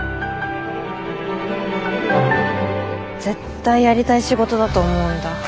絶対やりたい仕事だと思うんだ。